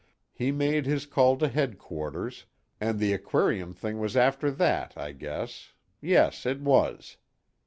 He made his call to headquarters, and the aquarium thing was after that, I guess yes, it was.